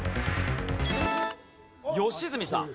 良純さん。